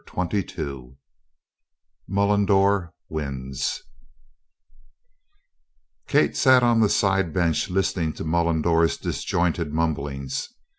CHAPTER XXII MULLENDORE WINS Kate sat on the side bench listening to Mullendore's disjointed mumblings.